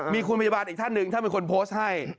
มีคุณพยาบาลอีกท่านหนึ่งท่านเป็นคนโพสต์ให้